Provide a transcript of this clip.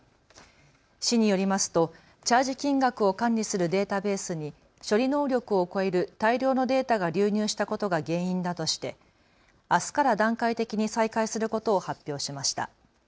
市によりますと、チャージ金額を管理するデータベースに処理能力を超える大量のデータが流入したことが原因だとしてあすから段階的に再開することを発表しました。